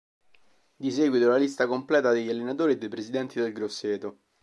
Di seguito la lista completa degli allenatori e dei presidenti del Grosseto.